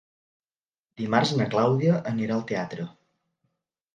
Dimarts na Clàudia anirà al teatre.